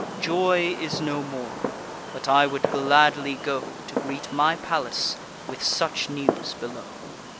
Joy is no more; but I would gladly go, To greet my Pallas with such news below."